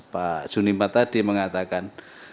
pak sunipa tadi mengatakan